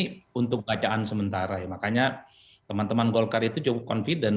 berada di bawah golkar ini untuk bacaan sementara ya makanya teman teman golkar itu cukup confident